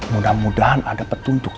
mudah mudahan ada petunjuk